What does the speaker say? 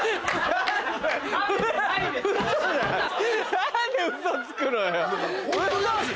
何でウソつくのよ！